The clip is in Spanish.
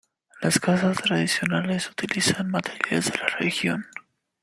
Las casas tradicionales utilizan materiales de la región.